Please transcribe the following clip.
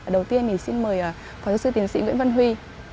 đầu tiên thì xin mời phó giáo sư tiến sĩ nguyễn văn huy